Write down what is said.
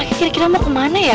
kira kira mau kemana ya